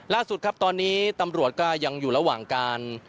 ล่าสุดครับตอนนี้ตำรวจก็ยังอยู่ระหว่างการ